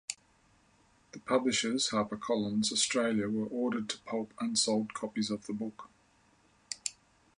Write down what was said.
The publishers, HarperCollins Australia were ordered to pulp unsold copies of the book.